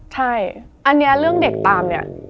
ใช่เรื่องเด็กตามนี่